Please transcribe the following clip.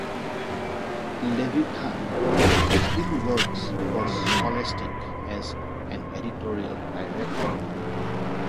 Levithan still works for Scholastic as an editorial director.